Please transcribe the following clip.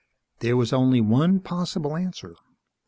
There was only one possible answer.